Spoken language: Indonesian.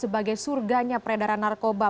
sebagai surganya peredaran narkoba